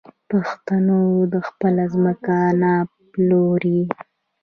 پښتون خپله ځمکه نه پلوري.